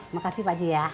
makasih pak ji ya